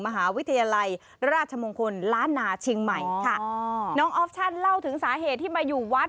มหาวิทยาลัยราชมงคลล้านนาเชียงใหม่ค่ะอ๋อน้องออฟชั่นเล่าถึงสาเหตุที่มาอยู่วัด